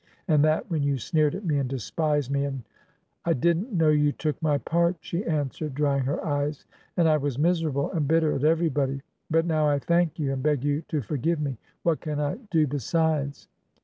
And that when you sneered at me and despised me, and —' 'I didn't know you took my part,' she an swered, drying her eyes, 'and I was miserable, and bitter at everybody ; but now I thank you, and b^ you to for give me: what can I do besides?'